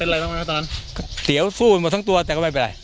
เป็นอะไรละครับอาจารย์เตี๋ยวสู้หมดทั้งตัวแต่ก็ไม่เป็นไร